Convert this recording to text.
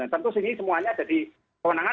tentu ini semuanya jadi kewenangan